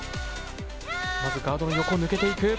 まずガードの横を抜けていく。